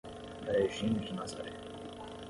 Brejinho de Nazaré